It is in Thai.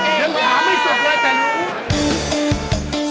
ตกเปลถายังดาตาไม่สุดนะแต่หนู